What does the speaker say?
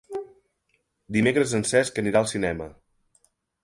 Dimecres en Cesc anirà al cinema.